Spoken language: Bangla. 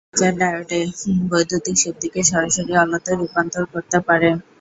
লেজার ডায়োড বৈদ্যুতিক শক্তিকে সরাসরি আলোতে রূপান্তর করতে পারে।